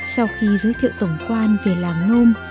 sau khi giới thiệu tổng quan về làng nôm